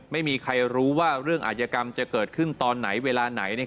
ไม่มีใครรู้ว่าเรื่องอาจยกรรมจะเกิดขึ้นตอนไหนเวลาไหน